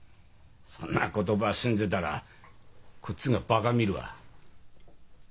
そんな言葉信じたらこっちがバカ見るわ。